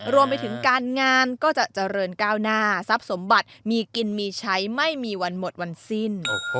รวมไปถึงการงานก็จะเจริญก้าวหน้าทรัพย์สมบัติมีกินมีใช้ไม่มีวันหมดวันสิ้น